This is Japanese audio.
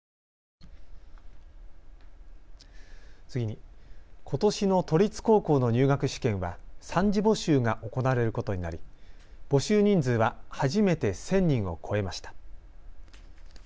次に、ことしの都立高校の入学試験は３次募集が行われることになり募集人数は初めて１０００人を超えました。